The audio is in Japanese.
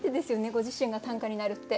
ご自身が短歌になるって。